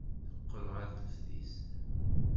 Teqqel ɣer teftist.